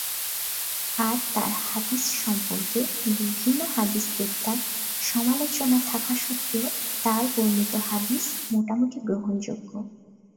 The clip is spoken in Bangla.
আর তাঁর হাদীস সম্পর্কে বিভিন্ন হাদীসবেত্তার সমালোচনা থাকা সত্ত্বেও তাঁর বর্ণিত হাদীস মোটামুটি গ্রহণযোগ্য।